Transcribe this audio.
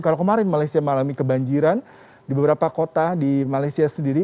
kalau kemarin malaysia mengalami kebanjiran di beberapa kota di malaysia sendiri